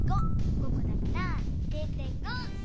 ５こだから０．５！